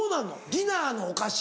ディナーのお菓子？